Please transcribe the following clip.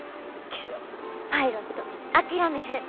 けどパイロット諦めへん。